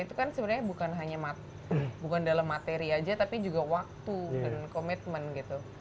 itu kan sebenarnya bukan dalam materi aja tapi juga waktu dan komitmen gitu